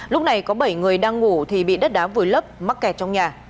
lúc này có bảy người đang ngủ thì bị đất đá vùi lấp mắc kẹt trong nhà